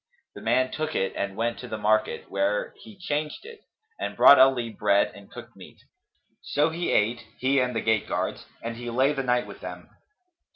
The man took it and went to the market, where he changed it, and brought Ali bread and cooked meat: so he ate, he and the gate guards, and he lay the night with them.